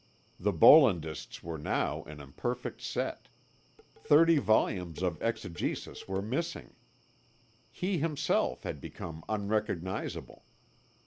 The Bollandists were now an imperfect set, thirty volumes of exegesis were missing. He himself had become unrecognisable.